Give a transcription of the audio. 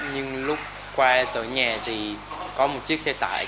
nhưng lúc qua cửa nhà thì có một chiếc xe tải